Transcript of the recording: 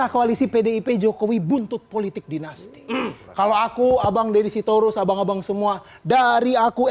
koalisi pdip jokowi buntut politik dinasti kalau aku abang dedy sitorus abang abang semua dari aku